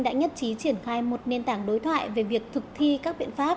đã nhất trí triển khai một nền tảng đối thoại về việc thực thi các biện pháp